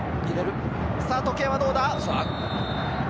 時計はどうだ？